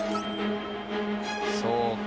そうか。